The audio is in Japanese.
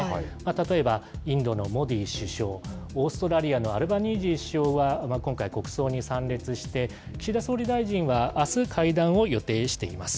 例えばインドのモディ首相、オーストラリアのアルバニージー首相は、今回、国葬に参列して、岸田総理大臣はあす会談を予定しています。